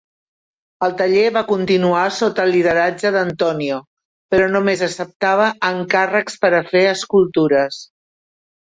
El taller va continuar sota el lideratge d'Antonio, però només acceptava encàrrecs per a fer escultures.